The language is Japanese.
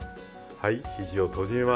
はい。